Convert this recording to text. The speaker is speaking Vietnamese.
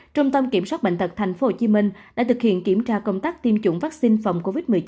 trung tâm kiểm soát bệnh tật tp hcm đã thực hiện kiểm tra công tác tiêm chủng vaccine phòng covid một mươi chín